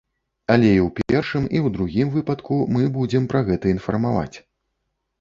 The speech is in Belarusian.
Але і ў першым, і ў другім выпадку мы будзем пра гэта інфармаваць.